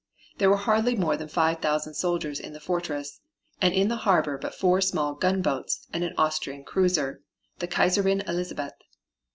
There were hardly more than five thousand soldiers in the fortress, and in the harbor but four small gunboats and an Austrian cruiser, the Kaiserin Elizabeth.